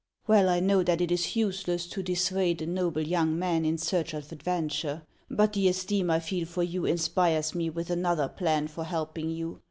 "Well, I know that it is useless to dissuade a noble young man in search of adventure ; but the esteem I feel for you inspires me with another plan for helping you.